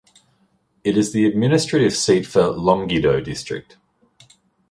It is the administrative seat for Longido District.